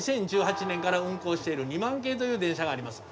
２０１８年から運行している２００００系という電車があります。